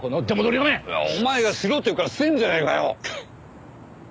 お前がしろって言うからしてるんじゃねえかよ！